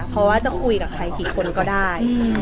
เพราะว่าจะคุยกับใครกี่คนก็ได้